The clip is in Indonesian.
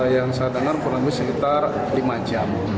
yang saya dengar kurang lebih sekitar lima jam